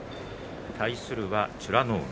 対するは美ノ海。